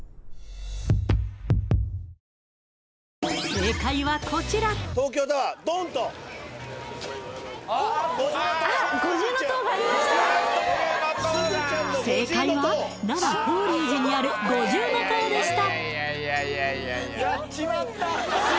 正解はこちら正解は奈良法隆寺にある五重塔でした